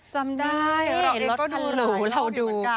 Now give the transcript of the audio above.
จำได้ท่านเหล่าดู